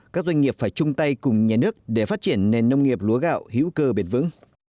các doanh nghiệp phải chung tay cùng nhà nước để phát triển nền nông nghiệp lúa gạo hữu cơ bền vững